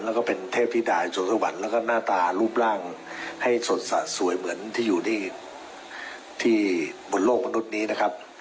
แล้วก็เป็นเทพธิดายสนสวรรค์แล้วก็หน้าตารูปร่างให้สดสะสวยเหมือนที่อยู่ที่บนโลกมนุษย์นี้นะครับ